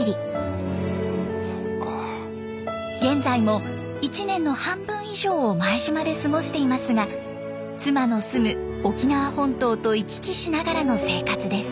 現在も１年の半分以上を前島で過ごしていますが妻の住む沖縄本島と行き来しながらの生活です。